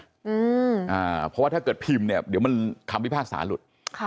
เพราะว่าถ้าเกิดพิมพ์เดี๋ยวคำวิภาคศาสตร์ลุด